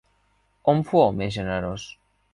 On fou més generós?